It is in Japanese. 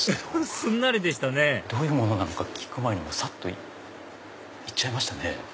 すんなりでしたねどういうものなのか聞く前にさっと行っちゃいましたね。